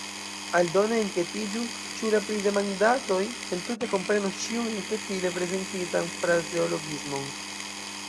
Aldone enketiĝu, ĉu la pridemandatoj entute komprenos ĉiun enketile prezentitan frazeologismon.